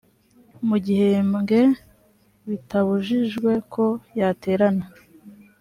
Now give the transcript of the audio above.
mu gihembwe bitabujijwe ko yaterana